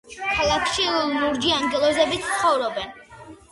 ქალაქში "ლურჯი ანგელოზებიც" ცხოვრობენ.